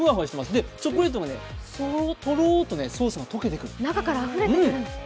で、チョコレートがとろーっとソースが溶けてくる。